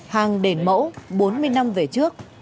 hàng đền mẫu bốn mươi năm về trước